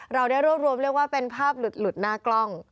เราได้รวบรวมเรียกว่าเป็นภาพหลุดหน้ากล้อง